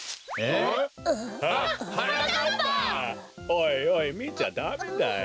おいおいみちゃダメだよ。